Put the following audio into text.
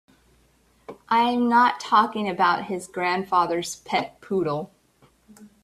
I'm not talking about his grandfather's pet poodle.